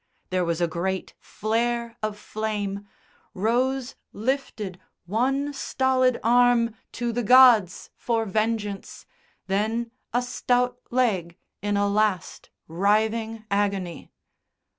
There was a great flare of flame; Rose lifted one stolid arm to the gods for vengeance, then a stout leg in a last writhing agony.